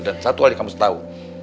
dan satu hal yang kamu harus tahu